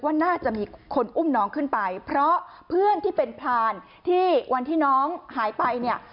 ว่าน่าจะมีคนอุ้มน้องขึ้นไปเพราะเพื่อนที่เป็นพรานที่วันที่น้องหายไปเนี่ย